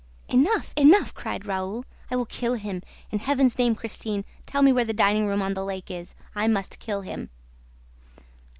"Enough! Enough!" cried Raoul. "I will kill him. In Heaven's name, Christine, tell me where the dining room on the lake is! I must kill him!"